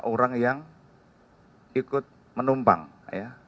ada dua orang yang ikut menumpang ya